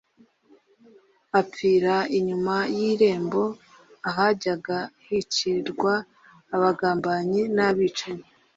Apfira inyuma y'irembo, ahajyaga hicirwa abagambanyi n'abicanyi.